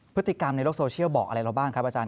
พฤติกรรมในโลกโซเชียลบอกอะไรเราบ้างครับอาจาร